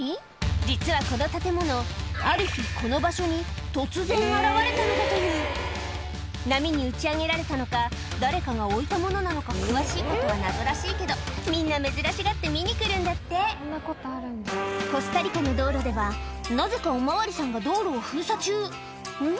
実はこの建物ある日波に打ち上げられたのか誰かが置いたものなのか詳しいことは謎らしいけどみんな珍しがって見に来るんだってコスタリカの道路ではなぜかお巡りさんが道路を封鎖中ん？